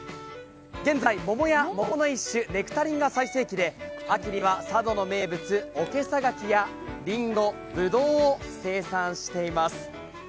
現在、桃や、桃の一種、ネクタリンが最盛期で秋には佐渡の名物、おけさ柿やりんご、ぶどうを生産しています。